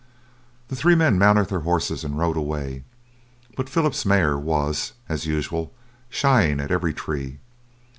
The three men mounted their horses and rode away, but Philip's mare was, as usual, shying at every tree.